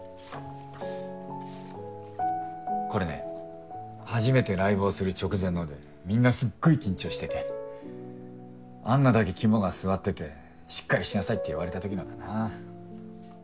これね初めてライブをする直前のでみんなすっごい緊張してて安奈だけ肝が据わっててしっかりしなさい！って言われた時のだな。